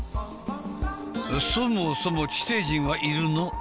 そもそも地底人はいるの？